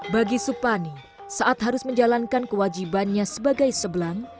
bagi supani saat harus menjalankan kewajibannya sebagai sebelang